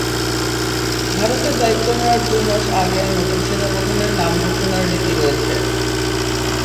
ভারতে দায়িত্ব নেওয়ার দুই মাস আগে নতুন সেনাপ্রধানের নাম ঘোষণার রীতি রয়েছে।